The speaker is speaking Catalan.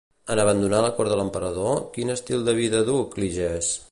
En abandonar la cort de l'emperador, quin estil de vida du Cligès?